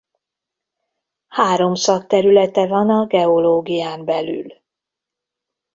Három szakterülete van a geológián belül.